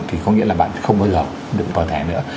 thì có nghĩa là bạn không bao giờ đựng vào thẻ nữa